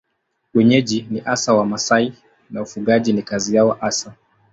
Wenyeji ni hasa Wamasai na ufugaji ni kazi yao hasa.